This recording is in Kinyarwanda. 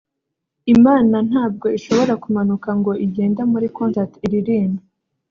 Imana ntabwo ishobora kumanuka ngo igende muri concert iririmbe